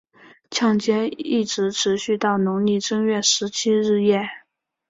抢劫一直持续到农历正月十七日夜。